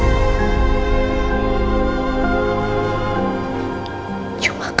yang bisa memperbaiki